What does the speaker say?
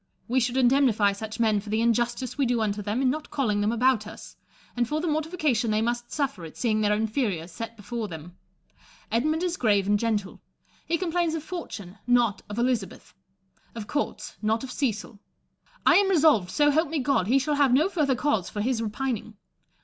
We should indemnify such men for the injustice we do unto them in not calling them about us, and for the mortification they must suffer at seeing their inferiors set before them. Edmund is grave and TIBERIUS AND VIPSANIA. ii gentle : he complains of fortune, not of Elizabeth ; of courts, not of Cecil. I am resolved, — so help me, God !— he shall have no further cause for his repining.